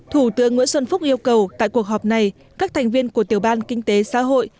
thủ tướng nguyễn xuân phúc yêu cầu tại cuộc họp này các thành viên của tiểu ban kinh tế xã hội